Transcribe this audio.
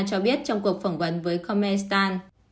cho biết trong cuộc phỏng vấn với comestan